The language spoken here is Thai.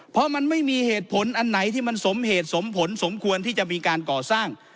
เพราะมันไม่มีเหตุผลอันไหนที่มันสมเหตุสมผลสมควรที่จะมีการก่อสร้าง